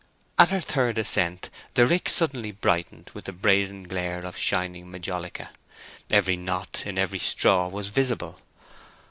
At her third ascent the rick suddenly brightened with the brazen glare of shining majolica—every knot in every straw was visible.